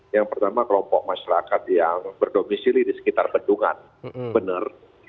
yang pertama kelompok masyarakat yang berdomisili di sekitar bendungan benar